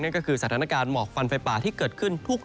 ก็คือสถานการณ์หมอกควันไฟป่าที่เกิดขึ้น